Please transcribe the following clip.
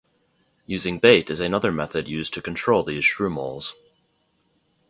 Using bait is another method used to control these shrew-moles.